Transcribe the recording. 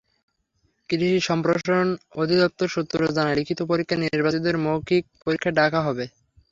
কৃষি সম্প্রসারণ অধিদপ্তর সূত্র জানায়, লিখিত পরীক্ষায় নির্বাচিতদের মৌখিক পরীক্ষায় ডাকা হবে।